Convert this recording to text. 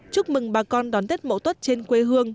chúc mừng bà con đón tết mẫu tốt trên quê hương